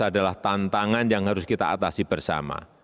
covid sembilan belas adalah tantangan yang harus kita atasi bersama